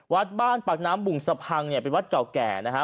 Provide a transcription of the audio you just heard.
วัดบ้านปากน้ำบุงสะพังเนี่ยเป็นวัดเก่าแก่นะฮะ